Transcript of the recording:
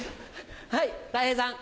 はいたい平さん。